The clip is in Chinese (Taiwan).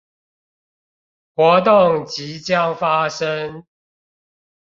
活動即將發生